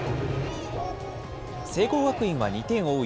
聖光学院は２点を追う